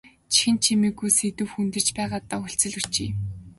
Чихэнд чимэггүй сэдэв хөндөж байгаадаа хүлцэл өчье.